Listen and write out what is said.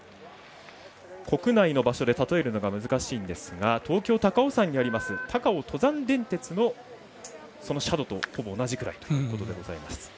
国内の場所で例えるのが難しいんですが東京・高尾山にあります高尾登山電鉄の斜度と、ほぼ同じくらいということでございます。